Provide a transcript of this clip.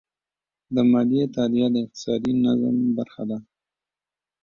د مالیې تادیه د اقتصادي نظم برخه ده.